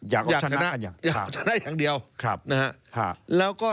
อยากชนะอย่างเดียว